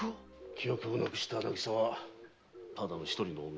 記憶をなくした渚はただの一人の女。